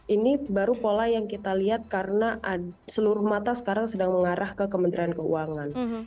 ini baru pola yang kita lihat karena seluruh mata sekarang sedang mengarah ke kementerian keuangan